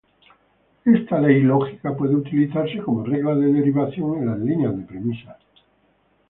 Esta ley lógica puede utilizarse como regla de derivación en la línea de premisas.